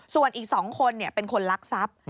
ส่วนอีก๒คนเป็นคนลักทรัพย์